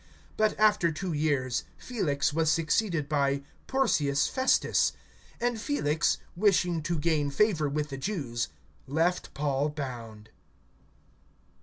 (27)But after two years, Felix was succeeded by Porcius Festus; and Felix, wishing to gain favor with the Jews, left Paul bound.